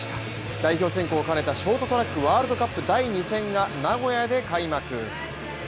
代表選考を兼ねたショートトラックワールドカップ第２戦が、名古屋で開幕。